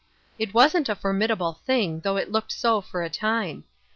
It wasn't a formidable thing, though it looked so for a time.